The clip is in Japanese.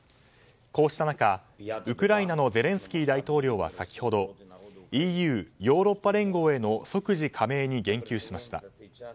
こうした中、ウクライナのゼレンスキー大統領は先ほどＥＵ・ヨーロッパ連合への即時加盟に言及しました。